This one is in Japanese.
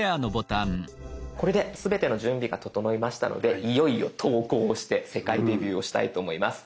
これですべての準備が整いましたのでいよいよ投稿をして世界デビューをしたいと思います。